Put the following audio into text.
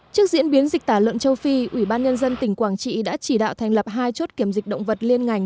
trước diễn biến dịch tả lợn châu phi ủy ban nhân dân tỉnh quảng trị đã chỉ đạo thành lập hai chốt kiểm dịch động vật liên ngành